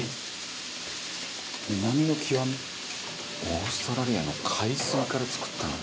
「オーストラリアの海水から作ったの？」